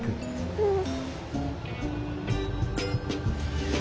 うん。